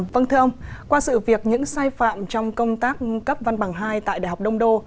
vâng thưa ông qua sự việc những sai phạm trong công tác cấp văn bằng hai tại đại học đông đô